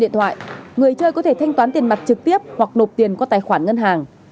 điện thoại người chơi có thể thanh toán tiền mặt trực tiếp hoặc nộp tiền qua tài khoản ngân hàng